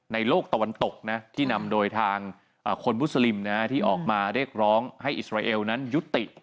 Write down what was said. โลกตะวันตกนะที่นำโดยทางคนมุสลิมที่ออกมาเรียกร้องให้อิสราเอลนั้นยุติ